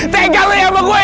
tengang lu yang bawa kue ya